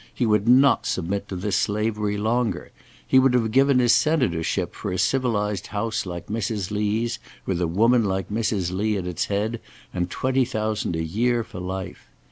He would not submit to this slavery longer. He would have given his Senatorship for a civilized house like Mrs. Lee's, with a woman like Mrs. Lee at its head, and twenty thousand a year for life.